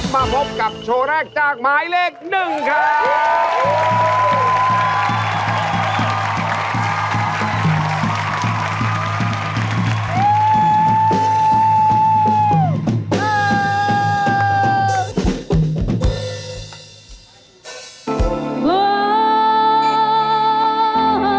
มาพบกับโชว์แรกจากหมายเลขหนึ่งครับ